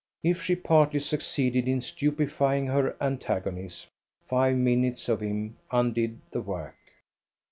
If she partly succeeded in stupefying her antagonism, five minutes of him undid the work.